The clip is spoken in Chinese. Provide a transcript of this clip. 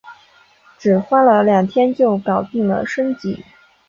只花了两天就搞定了升级